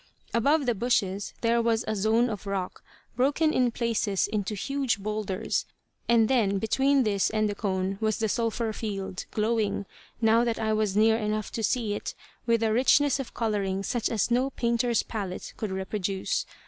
Above the bushes there was a zone of rock, broken in places into huge boulders, and then between this and the cone was the sulphur field, glowing, now that I was near enough to see it, with a richness of colouring such as no painter's palette could reproduce.